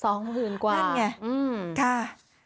โปรดติดตามต่อไป